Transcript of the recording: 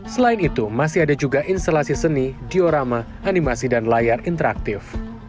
selain itu masih ada juga instalasi seni diorama animasi dan layar interaktif